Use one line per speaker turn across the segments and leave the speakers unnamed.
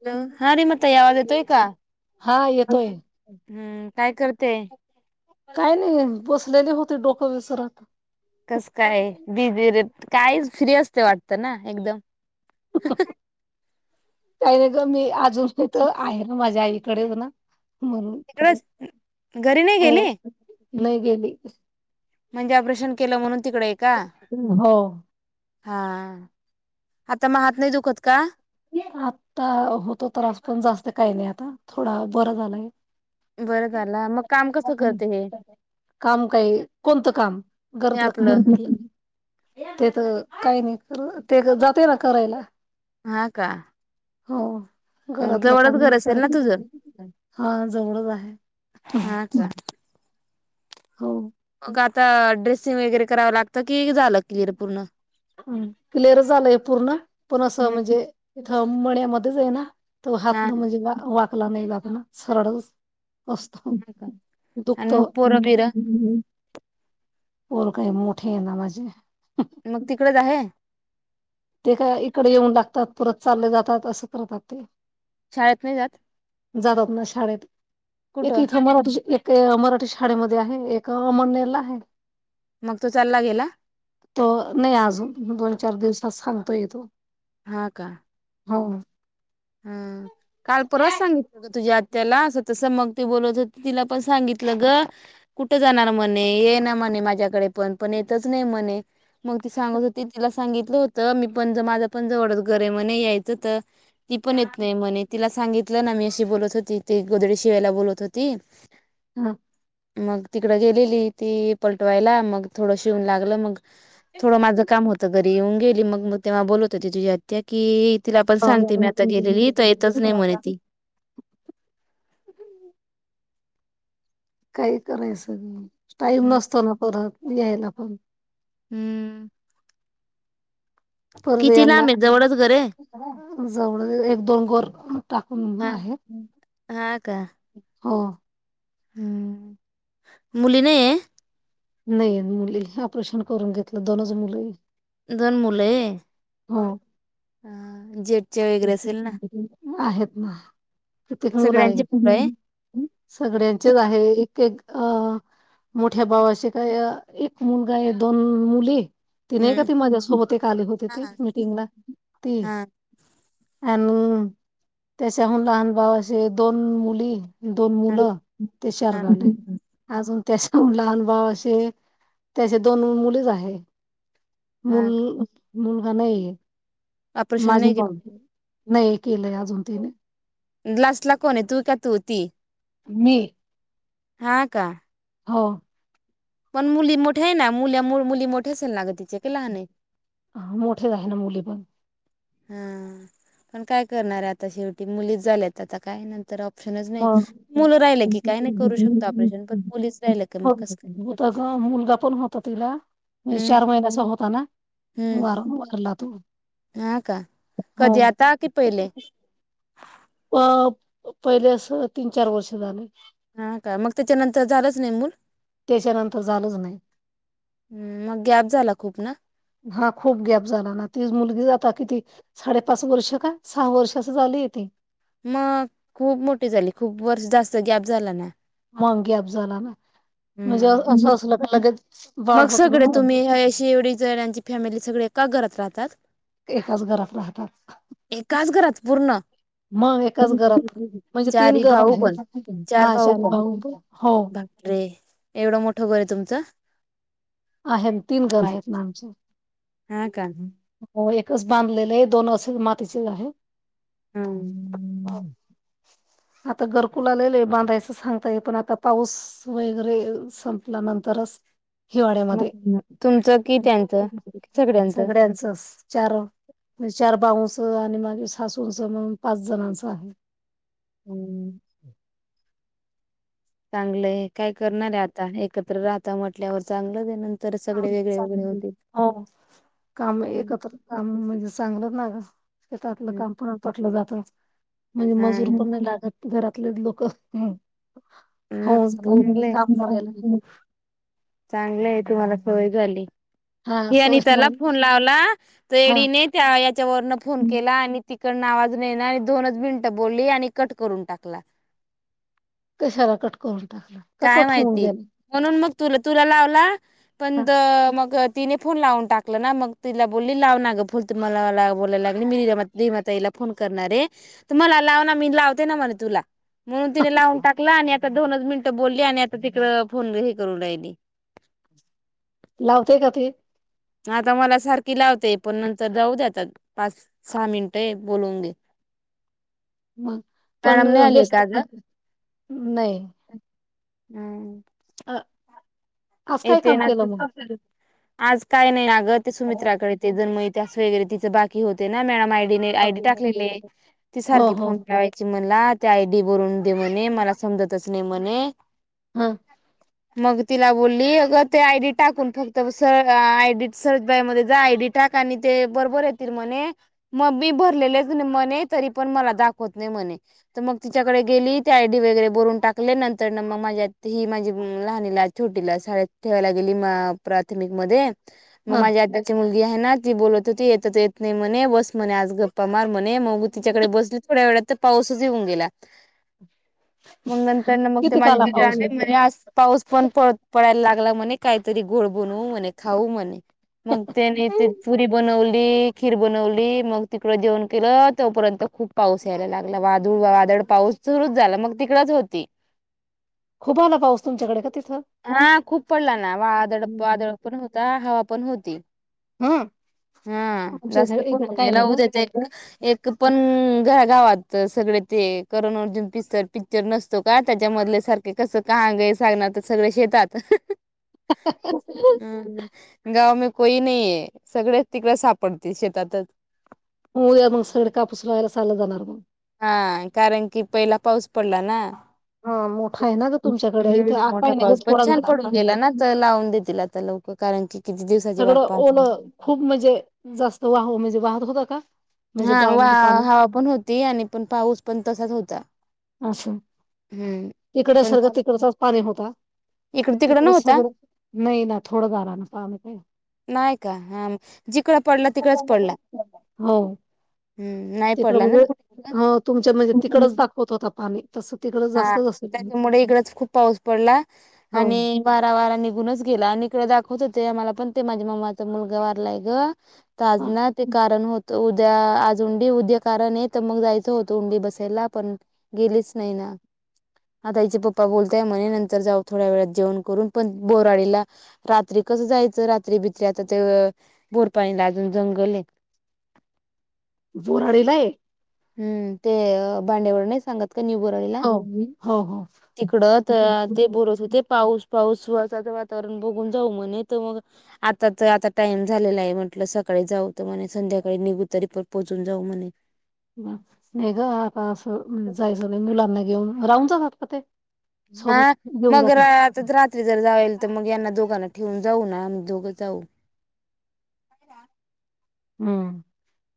[unintelligible] हा रेमाताई आवद येतोय का
हा येतोय
हम्म काय करते
काही नाही बसलेली होती डोकं विसरत
कस काय [unintelligible] कायचं फ्री असते वाटत ना एकदम
हं हंह काही नाही गं मी अजून इथं आहे ना माझ्या आईकडेच ना म्हणून
तिकडच घरी नाही
हो
गेली
नाही गेली
म्हणजे ऑपरेशन केलं म्हणून तिकडे आहे का
हो
हा आता म हात नाही दुखत का
आता होतो त्रास पण जास्त काही नाही आता थोडं बरं झालायं
बरं झालं मग काम कसं करते हे
काम काय कोणतं काम
हे
घरातलं
आपलं
ते तर काही नाही ते जाते ना करायला
हा का
हो
मग
घरातलं
जवळच
काम
घर असेल ना तुझं
करत हा जवळच आहे
टट
हो
मग आता ड्रेसिंग वगैरे करावं लागतं की झालं क्लिअर पूर्ण
हं क्लिअर झालंय पूर्ण पण असं
हम्म
म्हणजे इथं मण्यामध्ये आहे ना तो
हा
हात म्हणजे वाकला नाही जात ना सरळच असं
हा का
दुखत
आणि मग पोरं बिरं
पोर काही मोठी आहे ना माझी
मग तिकडचं आहे
ते काय इकडे येऊन लागतात परत चालले जातात असं करतात ते
शाळेत नाही जात
जातात ना शाळेत एकही
कुठं
थांबला तुझ एक ते मराठी शाळेमध्ये आहे, एक मणेरला आहे
मग तो चालला गेला
तो नाही अजून दोन चार दिवसात सांगतो येतो
हा का
हो
हा काल परवा सांगितलं होतं तुझ्या आ त्याला असं तसं मग ती बोलतं होती तिला पण सांगितलं ग कुठं जाणार म्हणे ये ना म्हणे माझ्याकडे पण पण येतच नाही म ती सांगत होती तिला सांगितलं होत मी पण माझ पण जवळच घर आहे म्हणे यायचं तर ती पण येत नाही म्हणे तिला सांगितलं ना मी अशी बोलत होती ते गोदडी शिवायला बोलत होती
हम
मग तिकड गेलेली ती पलटवायला मग थोडं शिवून लागलं मग थोडं माझं काम होतं घरी येऊन गेली मग मग तेव्हा बोलत होती तुझी आत्या कि तिला पण सांगते मी गेलेली तर येतच नाही
हा
म्हणे ती
काही करायचं गं टाईम
हं.
नसतो ना परत यायला पण
हम्म
परत
किती
यांना
लांब आहे जवळच घर आहे?
जवळ एक दोन गोर टाकून
हा
आहे
हा का
हो
हम्म मुली नाहीय
नाही मुली ऑपरेशन करून घेतलं दोनच मुलं आहेत
दोन मुले
हो
हं जेट
आहेत ना कित्येक मुलं
सगळ्यांचे पोरं
आहे सगळ्यांचेच आहे ते अ मोठ्या भावाचे काय एक मुलगा आहे दोन मुले ती नाही का
हम्म.
ती मजा सोबते काले होते
हा
ते
हा
मिीटिंगला ती
हा
अ त्याच्याहून लहान भाव असे दोन मुली दोन मुलं ते
हा
शरबवले अजून त्याच्या लहान भाव असे त्याचे दोन मुलीच आहे
हा
मल मुलगा नाही
अपर शनई ग
नाही केलंय अजून तिने
ल्लास ला कोोने तू का तूतीी
म
हा का
हो
पण मुली मोठ्या आहे ना मुल्या मुूळ मुली मोठ्या असेल ना ग तिचे क लहान आहे
हा मोठेच आहे ना मुली पण
हा पण काय करणारे आता शेवटी मुली झाल्यात आता काय नंतर ऑप्शनच नाही
मग
मुलं राहिलं की काही नाही करू शकत ऑपरेशन पण मुलीच राहिलं का मग कस
होता ग मुलगा पण होता तिला म्हणज चार महिन्याचा होता ना वार वारला तो
नाका
हो
कधीयाता की पहिले
अ पहिले अस तीन चार वर्ष झाले
ह काय मग त्याच्यानंतर झालंच नाही मूल
त्याच्यानंतर झालंच नाही
ह् मग गॅप झाला खूप ना
हा खूप गॅप झाला ना ती मुलगी जाता किती साडेपाच वर्ष का सहा वर्ष अस झाली ती
मग खूप मोठी झाली खूप वर्ष जास्त गॅप झाला ना
मांगे अफजाला ना म्हणजे
हम्म
असं असलं का लगेच बाळ
मग
होत
सगळे तुम्ही
ना
अशी एवढी जणांची फॅमिली सगळे का घरात राह
एकाच घरात राहतात
ए काच करात पूर्ण
मग एकाच घरात म्हणजे
चार
तीन घर
भाऊ पण
आहेत
चार
हा
भाऊ
शान
पण
हो
अरे एवढं मोठं बर आहे तुमचं
आहेतम तीन घर आहेत नामच्या
हा का
हो एकच बांधलेले आहे दोन असे मातीचे आहे
हम
आता गरकुलालेले बांधायचं सांगताय पण आता पाऊस वगैरे संपलानंतरच
म तुमचं कि त्यांचं सगळ्यांचं
ब चार म्हणजे चार बाऊंचं आणि माझे हासूंचं म्हणून पाच जणांचं आहे
हम्म चांगलंय काय करणार आहे आता एकत्र राहता म्हटल्यावर चांगलंच नर
हो काम एकत्र काम म्हणजे चांगल ना गतलं काम प पटलं जात म्हणजे
हा
मजूर
ना,
पण नाही लागत घरातले लोक
हा
होऊन जाऊन काम करायला
चांगलं चांगलं आहे तुम्हाला होय झाली
हा
हे
सोय
अनि त्याला
झाली
फोन लावला त
हा
एडीने त्या याच्यावरन फोन केला आणि तिकडनवाजून ये ना आणि दोनच मिनट बोलली आणि कट करून टाकला
कशहरा कटकोर
काय माहिती म्हणून मग तु तुला लावला पण
हा
मग तिने फोन लावून टाकलं ना मग तिला बोलली लाव ना गं फुल तर मला बोलायलागल मीि मातईला फोन करणारे मला लाव ना मी लावते ना म्हणे तुला म्हणून तिने लावून टाकलं आणि आता दोनच मिनट बोलली आणि आता तिकड फोनही करून राहिली
लावते का ते
आता मला सारखी लावते पण नंतर जाऊ द्याता पाच सहा मिनिट बोलवून घे
मग
काम
पण
नाही आलीय का
व्यस्त
आज
नाही
हम्म
अ आज काय
येते
काम
ना
केलं मग?
आज काय नाही अगं ते
हो
सुमित्राकडे ते जन्म त्यास वगैरे तिच बाकी होते ना मॅडम आयडी आयडी टाकलेले आहे ती सारखी
हो
फोन मिळावायची मला त्या आयडी बरून दे म्हणे मला समजतच नाही म्हणे
हा
मग तिला बोलली अ ते आयडी टाकून फक्त आय सर बाई म जा आयडी टाक णी ते बरोबर येतील म्ह मग मी भरलेलेच म्हणे तरी पण मला दाखवत नाही म्ह मग तच्याकडे गेली आयडी वगरे बून टाकल्या नंतर ना मग माझ्या ही माझी लहाणीला छोटीला शाळत ठेवायला गेली म प्राथमिक मध्ये मग
हा
माझी आताची मुलगी आहे ना ती बोलत होती येत येत नाही म्हणे बस म्हणे आज गप्पा मार म्हणे मगू तिच्याकडे बसली थोड्या वेळात तर पाऊसच येऊन गेला
अ्
मग नंतर मग ते
होता?
माझी आज पाऊस पण पत पडायला लाग कात गड बन म्ह खाऊ म्ह मग त्यारी बनली खीर बनवली मग तिकड जेवण केलं तो पर्यंत खूप पाऊस यायला लागला वादळ पाऊस सुरुच झाला मग तिकडच होती
खूप आला पाऊस तुमच्याकडे का तिथं?
हा खूप पडला ना वादळ वादळ
हम्म.
पण होता हवा पण होती
हा
हा
आमच्या इथ
जास्त
इकडं
पणजे
काय नाही
लाव
ग
द्याेत एक एक पण घ गावात सगळे ते करण अर्जुन प्चर पिक्चर नसतो का त्याच्या मधले सारखे कस का सग शेतात गाव म कोई नाही आहे सगळे तिकडे सापडते शेतातच
हो या मग सगळे कापूस लावायला चालला जाणार मग
हा कारण कि पहिला पाऊस पडला ना
ह
हम्म मोठा
ग
पाऊस पण
थोडा
छान
झाला
पडून गेला ना लावून देतील आता लोक कारण क
सगळं ओलं खूप म्हणजे जास्त वाह म्हणजे वाहत होत का म्हणजे
हा वा
गावामध्ये पाणी
हवा पण होती आणि पण पाऊस पण तसाच होता
असं
हम्म पण
तिकडसारखं
झालं.
तिकडचाच पाणी होता
इकड तिकड
तिकडें
नव्हता
सगळं नाही ना थोडं गार ना पाम काय
नाही का हा जिकडं पडला तिकडच पडला
हो
हम्म नाही
तिकडं
पडला ना
म्हणजे हो तुमच्या म्हणजे तिकडच दाखवत होता पाणी तसं तिकडच
हा
जास्तच असेल
त्याच्यामुळे इकडंच खूप पाऊस पडला
हो
आणि वारा वारा निघूनच गेला आणि इकड दाखव होत हो ते आ मला पण ते माझ्या माम्माचा मुलगा वारलाय ग तज ना ते कारण होत तर उद्या आज उंडी उद्या कारण आहे तर मग जायचं होतं उंडी बसायला पण गेलीच नाही ना [unintelligible] आता आईचे पप्पा बोलताय म्हणे नंतर जाऊ थोड्या वेळात जेवण करून पण बोराडीला रात्री कस जायचं रात्री बित्री आता ते बोरपाणीला अजून जंगल आहे
जोरडीला एक
हम्म ते भांडेवर नाही सांगत क बरयला
हो हो हो
तिकडत ते बरत होते पाऊस पाऊस पावसाचं वातावरण बघून जाऊ म्हणे ते मग आता तर आता टाइम झालेला आहे म्हटलं सक जाऊ तर म्हणे संध्याकाळी निघू तरीपण पोचून जाऊ म्हणे
नाही ग आता असं जायचं नाही मुलांना घेऊन राहून जाणा सका
हा मग रा रात्री जर जावेल तर मग यांना दोघांना ह्म्म जाऊ ना आम्ही दोघ जाऊ
ह्म्म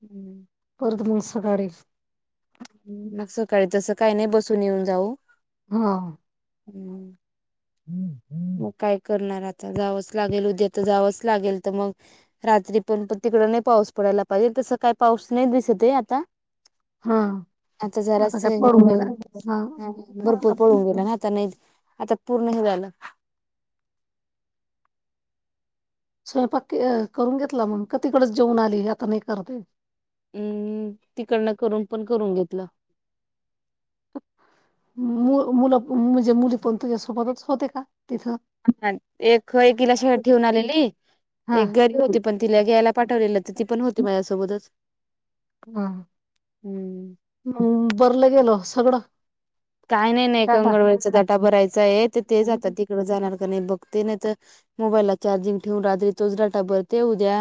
हम्म
मिक्स कराचे [unintelligible]
मग सकाळी तसं काहीनि बसून युन जाऊ
हा
हम्म मग काय करणार आता जावंच लागेल उद्या तर जावंच लागेल तर मग रात्री पण त तिकड पाऊस पडायला पाये तस काही पाऊस नाही दिसते आता
हा
आता जराच
काय पडून गेला हा
भरपूर
आता
पळून गेला ना आता नही आता पूर्ण हे आलं
स्वयंपाक क करून घेतला मंग का तीकडच जेऊन आली एका मं करते
अम् तिकडनं करून पण करून घेतलं.
मु र मुलं म्हणजे मुली पण तुझ्यासोबतच होते का तिथं
एक एकिला शाळेत ठेवून आलेली
हा
एक घ्यायची होती पण तिला घ्यायला पाठवलेलं तर ती पण होती माझ्यासोबतच
हा
हम्म
म बरलं गेल सगळं
काही नाही नाही
डाटा
अंगणवाडी चा आटा भरायचा आहे तर ते जातात तिकड जाणार का नाही बघ ते नाही तर मोबाईल ला चार्जिंग ठेऊून आली तोच डाटा भरते उद्या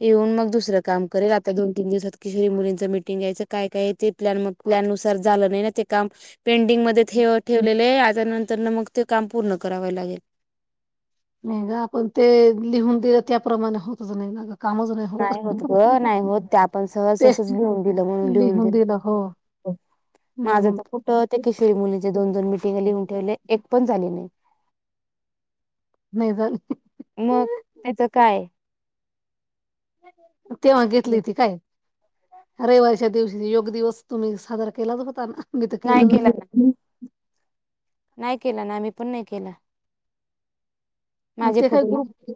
येऊन मग दुसरं काम करेल आता दोन तीन दिवसात किशोरी मुलींचं मिटिंग यायचं काय काय ते प्लॅन मग प्लॅ नुसार झालं नाही ना ते काम पेंडिंग मध्ये ठेव ठेवलेले आता नंतरन मग ते काम पूर्ण करावे लागेल
म गा आपण ते लिहून दिलं त्याप्रमाणे होत बनवून झालं
नाही होत ग नाही होत ते आपण सहज
ते
असंच लिहून दिलं म्हणून लिहून दि
दिलं हो
माझं
म्हणून
तर कुठ ते किशोरी मुलीचे दोन दोन मिटिंग लिहून ठेवले एक पण हॅलो
नाही झाली
मग त्याच काय ए
तेव्हा घेतली होती काय रविवारीच्या दिवशी योग दिवस तुम्ही साजरा केला बघा त्यांना
नाही केला ना नाही केला ना आम्ही पण नाही केला
आणि
माझे
ते काय
फोटो
ग्रुप
नते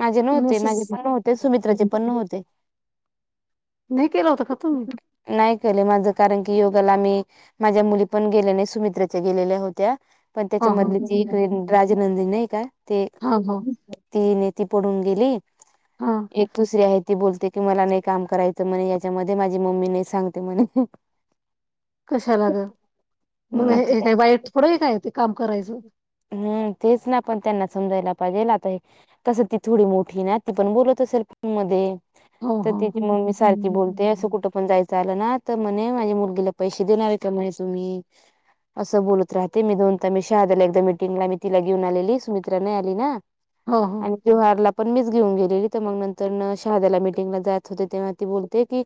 माझे नव्हते
मेसेज
माझे पण नव्हते सुमित्राचे पण नहो्हते.
नाही केला होता का तुम्ही
नाही केलं माझ कारण की योगाला मी माझ्या मुली पण गेल्या नाही सुमित्राच्या गेलेल्या होत्या पण
हा
त्याच्या
हा
मधली तीडे राजनंदी नाही का ते
हा हो
ती न [unintelligible] ती पडून गेली
हा
एक दुसरी आहे ती बोलते की मला नाही काम करायचं म्हणे त्यामध्ये माझी मम्मी नाही सांगते म्हणे
कशा लाग मग
हम्म, आता
हे
त्या
काय वाईट थोडं हे काय ते काम करायचं
हम् तेच ना पण त्यांना समजायला हो ना ताई आता हे कसं ती थोडी मोठी ना ती पण बोलत असेल फ मध्ये
हो
तर
हो
तिची मम्मी सारखी बोलते असं कुठं पण जायचं आलं ना तर म्हणे माझ्या मुलगीला पैसे देणारहे का म्हणे तुम्ही असं बोलत राहते मी दोन मी शहादला एकदा मिीटिंगला मी तिला घेऊन आलेली सुमित्रा नाही आली ना
हो हो
आणि त्यो वारला पण मीच घेऊन गेलेली तर मग नंतरन शहाद्याला मीटिंगला जात होते तेव्हा ती बोलते की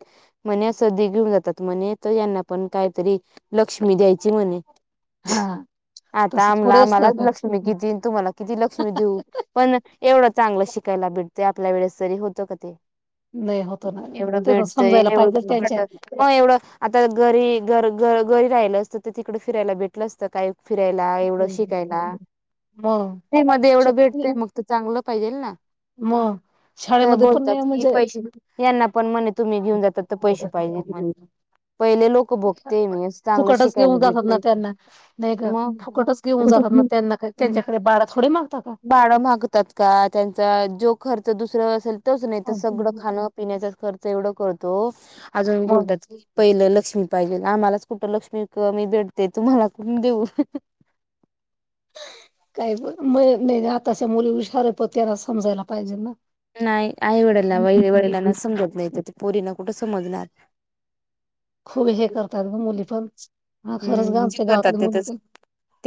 म्हणे सबी घेऊन जातात म्हणे तर यांना पण काहीतरी लक्ष्मी द्यायची म्हणे
हा
आता
तसं
आम्ला
थोडे असतं
आम्हालाच
का
लक्ष्मी कितीन तुम्हाला किती लक्ष्मी देऊ पण एवढं चांगलं शिकायला भेटते आपल्या वेळेस जरी होतो का ते
नाही होत नाही ग तेचच
ते एवढ एवढं आता घरी घर घ घरी राहिलं असतं ते तिकडडे फिरायला भेटलं असतं काय फिरायला एवढं शिकायला
मग
ते मध्ये एवढं
श-
भेटतेय मग त चांगल पाहि
मग शाळेमध्ये पण नाही
बोलतात की
म्हणजे
पैसे यांना पण म्ह तुम्ही घेऊन जातात तर पैसे पाहिजे पहिले लोक भोगते मी चांगलं
फुकटच
शिकायला
घेऊन जातात ना
भेटते
त्यांना नाही ग
मग
फुकटच घेऊन जातात ना त्यांना काय त्यांच्याकडे बारा थोडे मागता का
बाळ मागतात का त्यां जो खर्च दुसर असेल तोच नाही तर सगळं खाण पिण्याचा खर्च एवढं करतो अजून
मग
बोलतात की पहिलं लक्ष्मी पाहिजे आम्हालाच कुठं लक्ष्मी क मी भेडते तुम्हाला कण देऊ
काही म नाही आताच्या मुली हुशार प त्यांना समजायला पाहिजे ना
नाही आई वडला व वडिलांना समजत नाही तर ते पोरीना कुठं समजणार
खूप हे करतात ग मुली पण हा खरंच ग
हम्म जे
आमच्या गावातल्या
करतात
मुली
तेथच
पण
ते